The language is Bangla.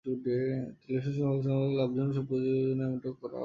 টেলিভিশন চ্যানেলগুলোর সঙ্গে লাভজনক সম্প্রচার চুক্তি করার জন্যই এমনটা করা হয়েছে।